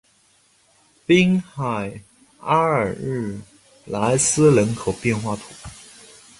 滨海阿尔日莱斯人口变化图示